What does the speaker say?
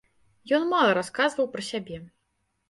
Ён мала расказваў пра сябе.